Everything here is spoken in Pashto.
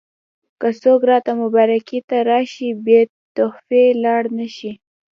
که څوک راته مبارکۍ ته راشي بې تحفې لاړ نه شي.